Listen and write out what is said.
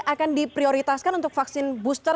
akan diprioritaskan untuk vaksin booster